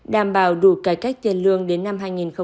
đảm bảo đủ cải cách tiền lương đến năm hai nghìn hai mươi